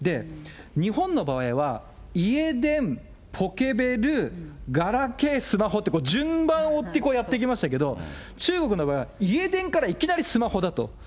日本の場合は家電、ポケベル、ガラケー、スマホって、順番を追ってこうやってきましたけれども、中国の場合は、家電からいきなりスマホだと。